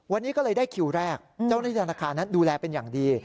วันนี้ก็เลยได้คิวแรกเจ้าหน้าที่ธนาคารนั้นดูแลเป็นอย่างดี